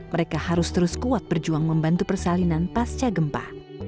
mereka harus terus kuat berjuang membantu persalinan pasca gempa